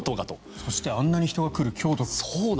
そしてあんなに人が来る京都が。